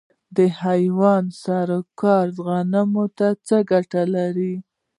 د حیواني سرې کارول غنمو ته څه ګټه لري؟